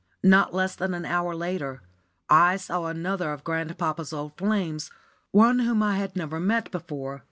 Not less than an hour later, I saw another of grandpapa's old flames; one whom I had never met before.